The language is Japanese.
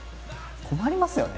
困りますよね。